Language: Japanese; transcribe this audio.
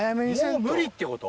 もう無理ってこと？